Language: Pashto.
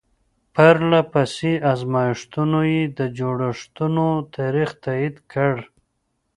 پرله پسې ازمایښتونو یې د جوړښتونو تاریخ تایید کړ.